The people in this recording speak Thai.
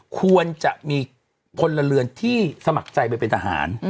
ควรจะมีพลเรือนที่สมัครใจไปเป็นทหาร